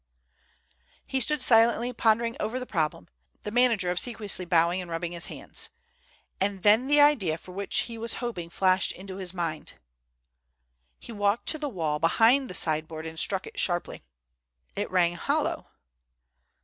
He stood silently pondering over the problem, the manager obsequiously bowing and rubbing his hands. And then the idea for which he was hoping flashed into his mind. He walked to the wall behind the sideboard and struck it sharply. It rang hollow.